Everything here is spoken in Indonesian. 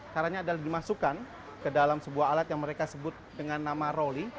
caranya adalah dimasukkan ke dalam sebuah alat yang mereka sebut dengan nama roli